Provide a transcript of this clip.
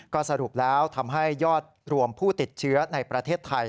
ก็สรุปแล้วทำให้ยอดรวมผู้ติดเชื้อในประเทศไทย